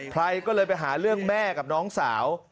ใครก็เลยไปหาเรื่องแม่กับน้องสาว